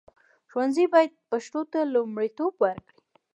ښوونځي باید پښتو ته لومړیتوب ورکړي.